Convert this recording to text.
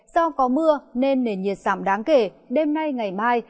do có mưa nên nền nhiệt giảm đáng kể đêm nay ngày mai